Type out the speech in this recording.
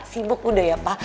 sibuk udah ya pa